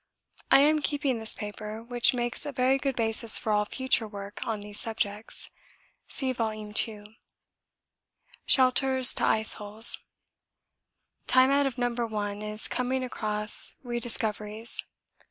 I am keeping this paper, which makes a very good basis for all future work on these subjects. (See Vol. II.) Shelters to Iceholes Time out of number one is coming across rediscoveries.